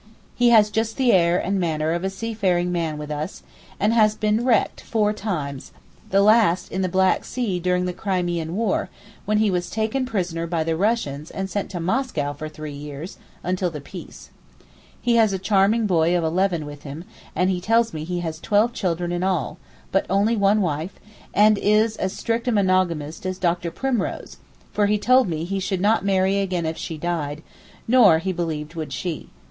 He has just the air and manner of a seafaring man with us, and has been wrecked four times—the last in the Black Sea during the Crimean War, when he was taken prisoner by the Russians and sent to Moscow for three years, until the peace. He has a charming boy of eleven with him, and he tells me he has twelve children in all, but only one wife, and is as strict a monogamist as Dr. Primrose, for he told me he should not marry again if she died, nor he believed would she.